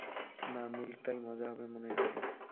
নাহ, মিল্কটাই মজা হবে মনেহয়।